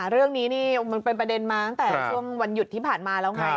เรื่องนี้นี่มันเป็นประเด็นมาตั้งแต่ช่วงวันหยุดที่ผ่านมาแล้วไง